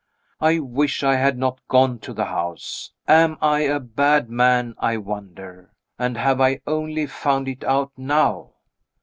I wish I had not gone to the house. Am I a bad man, I wonder? and have I only found it out now?